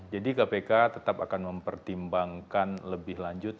jadi kpk akan mempertimbangkan lebih lanjut